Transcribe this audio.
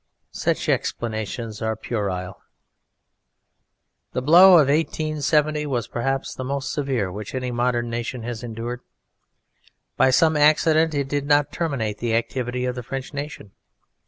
Such explanations are puerile. The blow of 1870 was perhaps the most severe which any modern nation has endured. By some accident it did not terminate the activity of the French nation.